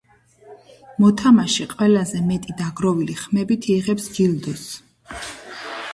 მოთამაშე ყველაზე მეტი დაგროვილი ხმებით იღებს ჯილდოს.